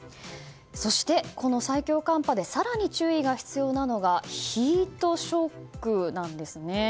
そして、この最強寒波で更に注意が必要なのがヒートショックなんですね。